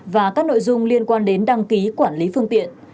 và các nội dung liên quan đến đăng ký quản lý phương tiện